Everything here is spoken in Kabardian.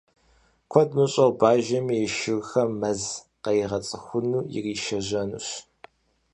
Куэд мыщӀэу бажэми и шырхэм мэзыр къаригъэцӏыхуну иришэжьэнущ.